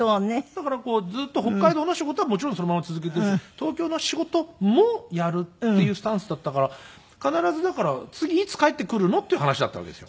だからずっと北海道の仕事はもちろんそのまま続けているし東京の仕事もやるっていうスタンスだったから必ずだから次いつ帰ってくるのっていう話だったわけですよ。